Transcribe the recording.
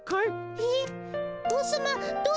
えっ？